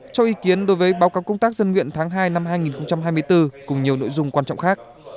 cho ý kiến đối với báo cáo công tác dân nguyện tháng hai năm hai nghìn hai mươi bốn cùng nhiều nội dung quan trọng khác